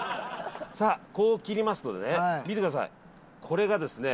さあこう切りますとね見てくださいこれがですね。